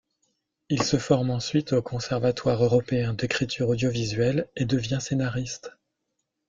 Il se forme ensuite au Conservatoire européen d'écriture audiovisuelle, et devient scénariste.